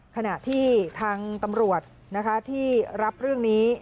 ขณะที่ทางตำรวจที่รับเรื่องนี้